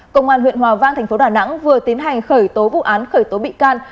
công an huyện hòa vang tp đà nẵng vừa tiến hành khởi tố vụ án khởi tố bị can